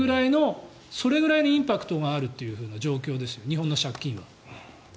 それぐらいのインパクトがあるという状況です日本の借金は。